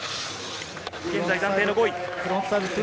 現在、暫定の５位。